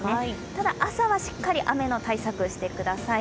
ただ朝はしっかり雨の対策してください。